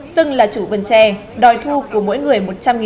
xưng là chủ vần chè đòi thu của mỗi người